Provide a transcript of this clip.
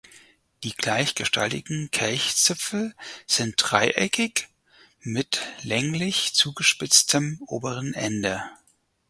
Die gleichgestaltigen Kelchzipfel sind dreieckig mit länglich zugespitztem oberen Ende.